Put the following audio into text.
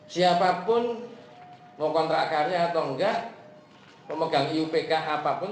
siapapun mau kontrak karya atau enggak pemegang iupk apapun